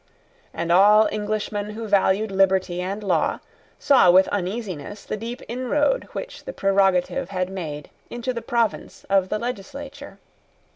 And all Englishmen who valued liberty and law, saw with uneasiness the deep inroad which the prerogative had made into the province of the legislature.